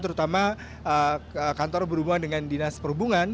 terutama kantor berhubungan dengan dinas perhubungan